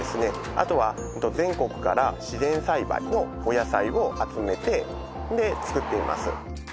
あとは全国から自然栽培のお野菜を集めてで作っています